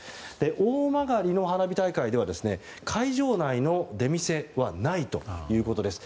大曲の花火大会では会場内の出店はないということです。